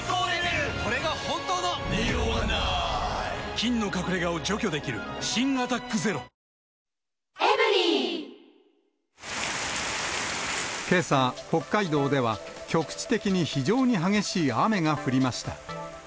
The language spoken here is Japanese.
菌の隠れ家を除去できる新「アタックＺＥＲＯ」けさ、北海道では、局地的に非常に激しい雨が降りました。